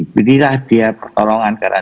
belilah dia pertolongan karena